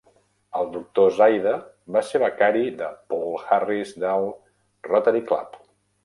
El doctor Zaide va ser becari de Paul Harris del Rotary Club.